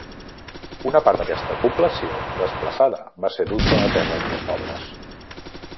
Una part d'aquesta població desplaçada va ser duta a terres més pobres.